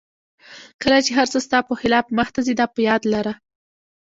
کله چې هر څه ستا په خلاف مخته ځي دا په یاد لره.